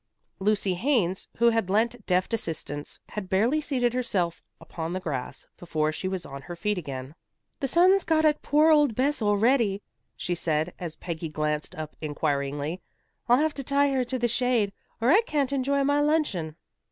Lucy Haines, who had lent deft assistance, had barely seated herself upon the grass, before she was on her feet again. "The sun's got at poor old Bess already," she said, as Peggy glanced up inquiringly. "I'll have to tie her in the shade, or I can't enjoy my luncheon."